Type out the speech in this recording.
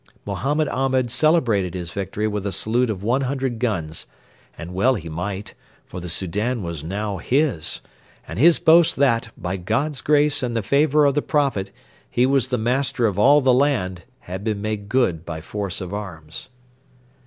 Mohammed Ahmed celebrated his victory with a salute of one hundred guns; and well he might, for the Soudan was now his, and his boast that, by God's grace and the favour of the Prophet, he was the master of all the land had been made good by force of arms.